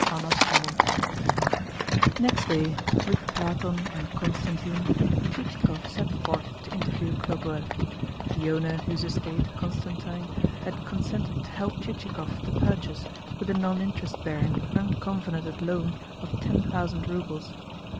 CHAPTER IV Next day, with Platon and Constantine, Chichikov set forth to interview Khlobuev, the owner whose estate Constantine had consented to help Chichikov to purchase with a non interest bearing, uncovenanted loan of ten thousand roubles.